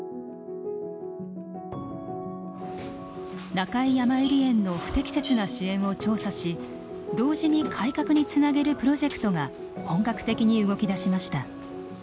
中井やまゆり園の不適切な支援を調査し同時に改革につなげるプロジェクトが本格的に動きだしました。